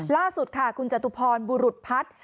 ล่าสุดค่ะคุณจตุพรบุรุษพัฒน์